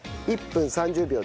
１分３０秒。